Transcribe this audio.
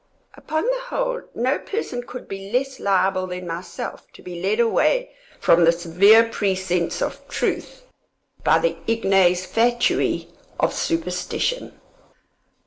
Upon the whole, no person could be less liable than myself to be led away from the severe precincts of truth by the ignes fatui of superstition.